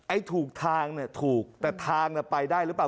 ถูกทางเนี่ยถูกแต่ทางน่ะไปได้หรือเปล่า